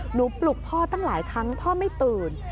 ปลุกพ่อตั้งหลายครั้งพ่อไม่ตื่น